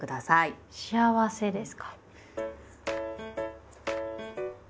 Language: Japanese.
「『幸』せ」ですか。